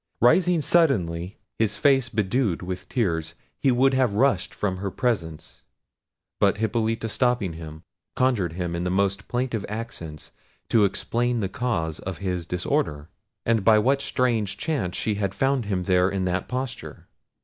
Rising suddenly, his face bedewed with tears, he would have rushed from her presence; but Hippolita stopping him, conjured him in the most plaintive accents to explain the cause of his disorder, and by what strange chance she had found him there in that posture.